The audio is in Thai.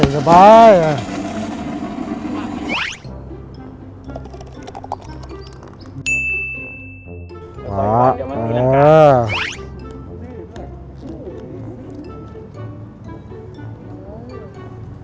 เยี่ยมมาก